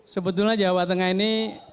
sebetulnya jawa tengah ini